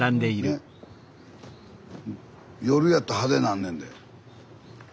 夜やと派手なんねんで。